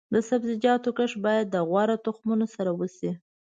د سبزیجاتو کښت باید د غوره تخمونو سره وشي.